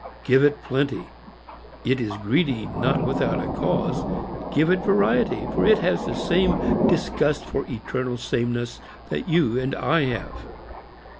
Give it plenty; it is greedy not without a cause; give it variety, for it has the same disgust for eternal sameness that you and I have.